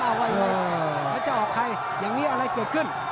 ว่ายังไงแล้วจะออกใครอย่างนี้อะไรเกิดขึ้น